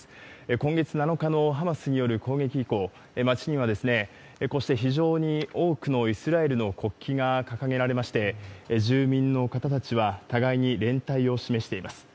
今月７日のハマスによる攻撃以降、町にはこうして非常に多くのイスラエルの国旗が掲げられまして、住民の方たちは互いに連帯を示しています。